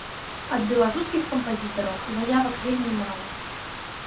Ад беларускіх кампазітараў заявак вельмі мала.